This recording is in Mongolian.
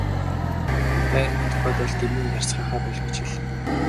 Байрны тухайд бол дэмий ярьцгаахаа боль гэж хэл.